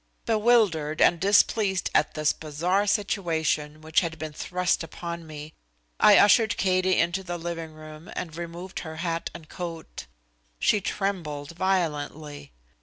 Bewildered and displeased at this bizarre situation which had been thrust upon me, I ushered Katie into the living room and removed her hat and coat. She trembled violently.